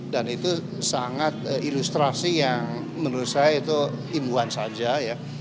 dan itu sangat ilustrasi yang menurut saya itu imbuan saja ya